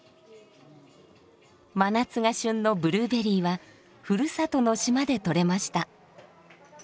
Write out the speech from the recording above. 真夏が旬のブルーベリーはふるさとの島で採れました。